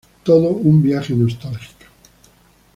Todo un viaje nostálgico.